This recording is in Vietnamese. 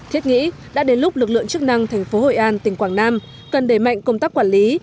thiết nghĩ đã đến lúc lực lượng chức năng thành phố hội an tỉnh quảng nam cần đề mạnh công tác quản lý